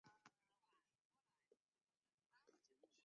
会议经审议